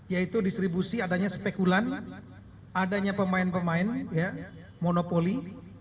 yaitu distribusi adanya spekulan adanya pemain pemain monopoli